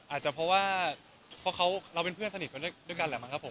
อาจจะเพราะว่าเราเป็นเพื่อนสนิทกันด้วยมั้งครับครับผม